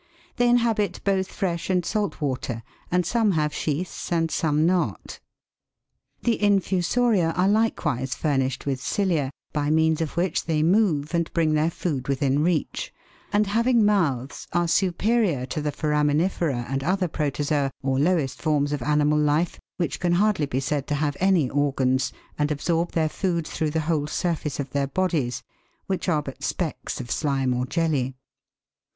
They inhabit both fresh and salt water, and some have sheaths and some not. . The Infusoria are likewise furnished with cilia, by means of which they move and bring their food within reach, and having mouths, are superior to the Foraminifera and other Protozoa, or lowest forms of animal life, which can hardly be said to have any organs, and absorb their food through the whole sur face of their bodies, which are but specks of slime or jelly.